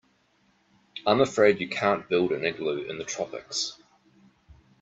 I'm afraid you can't build an igloo in the tropics.